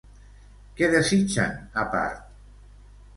Què desitgen, a part?